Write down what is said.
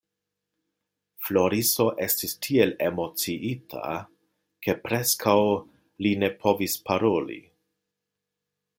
Floriso estis tiel emociita, ke preskaŭ li ne povis paroli.